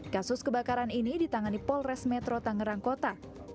kasus kebakaran ini ditangani polres metro tangerang kota